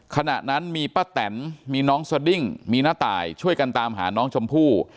ขณะนั้นมีป้าแตนมีน้องสดิ้งมีน้าตายช่วยกันตามหาน้องชมพู่